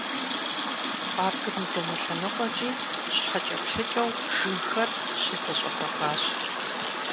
Паркым и дэнэ лъэныкъуэкӀи щхъуэкӀэплъыкӀэу жыгхэр щызэщӀэгъэгъащ.